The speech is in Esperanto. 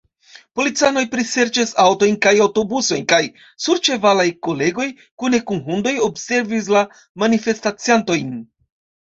Policanoj priserĉis aŭtojn kaj aŭtobusojn, kaj surĉevalaj kolegoj, kune kun hundoj, observis la manifestaciantojn.